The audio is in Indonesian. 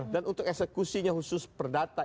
dan untuk eksekusinya khusus perdata